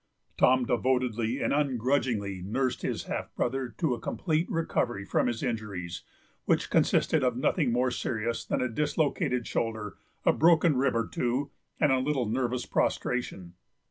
Tom devotedly and ungrudgingly nursed his half brother to a complete recovery from his injuries, which consisted of nothing more serious than a dislocated shoulder, a broken rib or two, and a little nervous prostration.